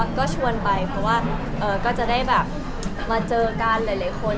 ใช่ค่ะก็ชวนไปเพราะว่าก็จะได้มาเจอกันหลายคน